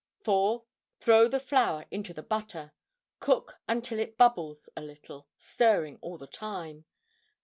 4. Throw the flour into the butter. Cook until it bubbles a little, stirring all the time.